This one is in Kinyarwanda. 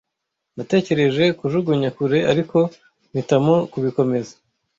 Natekereje kujugunya kure, ariko mpitamo kubikomeza.